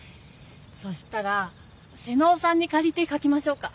そしたら妹尾さんにかりてかきましょうか。